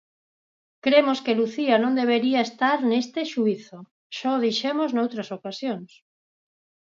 Cremos que Lucía non debería estar neste xuízo, xa o dixemos noutras ocasións.